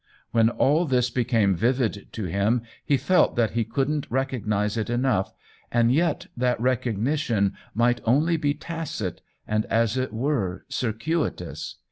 When all this became vivid to him he felt that he couldn't recog nize it enough, and yet that recognition might only be tacit and, as it were, cir cuitous.